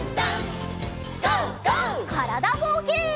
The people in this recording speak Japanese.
からだぼうけん。